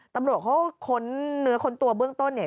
ตำรวจเขาค้นเนื้อค้นตัวเบื้องต้น